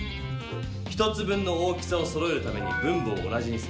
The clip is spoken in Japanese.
１つ分の大きさをそろえるために分母を同じにする。